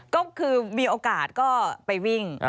ก็คือมีโอกาสก็ไปวิ่ง